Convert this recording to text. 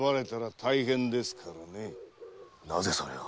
なぜそれを？